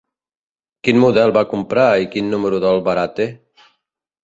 Quin model va comprar i quin número d'albarà té?